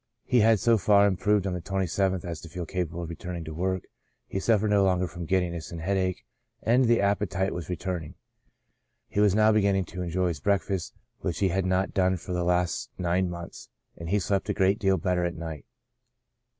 He had so far improved on the 27th as to feel capable of returning to work; he suffered no longer from giddiness and headache, and the appetite was returning; he was now beginning to enjoy his breakfast, which he had not done for the last nine months ; and he slept a great deal better at night.